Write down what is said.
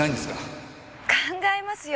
〕考えますよ